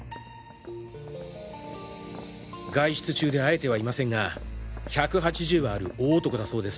外出中で会えてはいませんが１８０はある大男だそうですし